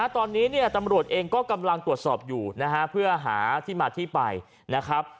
ตอนนี้ตำรวจเองก็กำลังตรวจสอบอยู่นะฮะเพื่อหาที่มาที่ไปนะครับ